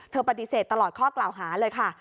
ปฏิเสธตลอดข้อกล่าวหาเลยค่ะ